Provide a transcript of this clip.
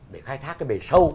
để khai thác cái bề sâu